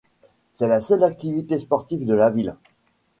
C'est la seule activité sportive de la ville.